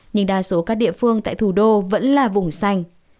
nhưng đa số các địa phương tại thủ đô vẫn là vùng xanh